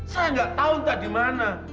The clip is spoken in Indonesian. saya gak tau entah dimana